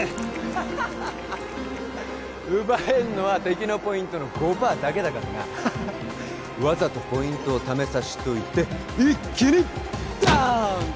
ハハハハ奪えんのは敵のポイントの５パーだけだからなわざとポイントを貯めさしといて一気にドーンだ